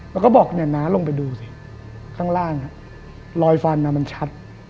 เราก็บอกน้าลงไปดูสิข้างล่างลอยฟันมันชัด